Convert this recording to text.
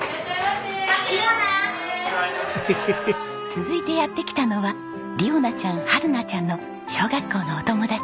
続いてやって来たのは莉央奈ちゃん陽奈ちゃんの小学校のお友達。